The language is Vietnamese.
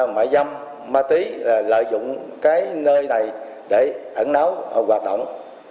mại dâm ma tí lợi dụng cái nơi này để ẩn náu hoạt động